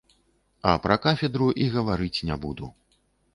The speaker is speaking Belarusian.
А пра кафедру і гаварыць не буду.